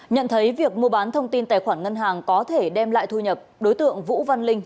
nhận thấy việc mua bán thông tin tài khoản ngân hàng có thể đem lại thu nhập đối tượng vũ văn linh